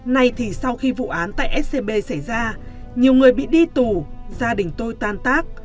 nay thì sau khi vụ án tại scb xảy ra nhiều người bị đi tù gia đình tôi tan tác